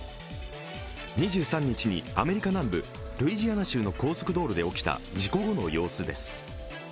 ２３日にアメリカ南部ルイジアナ州の高速道路で起きた事故後の様子です。